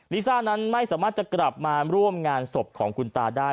ลิซ่านั้นไม่สามารถจะกลับมาร่วมงานศพของคุณตาได้